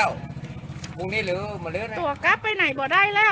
ตัวกลับไปไหนพอได้แล้ว